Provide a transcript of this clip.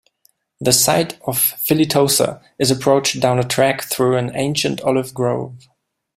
The site of Filitosa is approached down a track through an ancient olive grove.